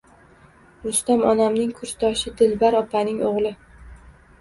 Rustam onamning kursdoshi Dilbar opaning o`g`li